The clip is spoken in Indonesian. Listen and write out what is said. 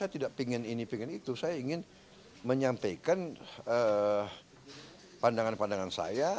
saya tidak ingin ini pengen itu saya ingin menyampaikan pandangan pandangan saya